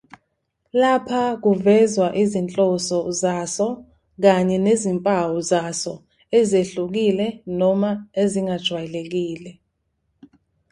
Lapha kuvezwa izinhloso zaso kanye nezimpawu zaso ezehlukile noma ezingajwayelekile.